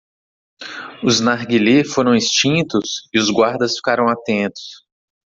Os narguilé foram extintos? e os guardas ficaram atentos.